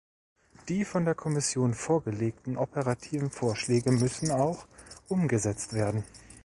Die von der Kommission vorgelegten operativen Vorschläge müssen auch umgesetzt werden.